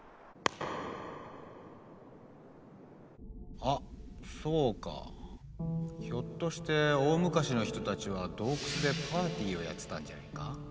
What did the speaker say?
あっそうかひょっとして大昔の人たちは洞窟でパーティーをやってたんじゃないか？